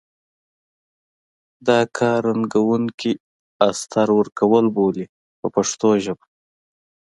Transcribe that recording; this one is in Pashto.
دا کار رنګوونکي استر ورکول بولي په پښتو ژبه.